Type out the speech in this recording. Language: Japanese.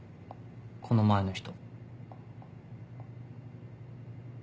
この前の人。